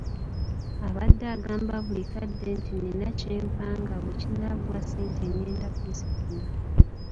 Abadde agamba buli kadde nti nnina kye mpanga bwe kinaggwa ssente ngenda kuzifuna.